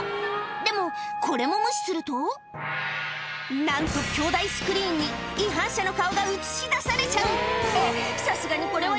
でも、これも無視すると、なんと、巨大スクリーンに違反者の顔が映し出されちゃう。